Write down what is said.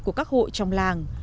của các hộ trong làng